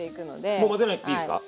もう混ぜなくていいんですか？